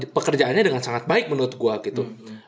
pekerjaannya dengan sangat baik menurut gue gitu